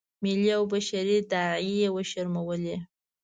ملي او بشري داعیې یې وشرمولې.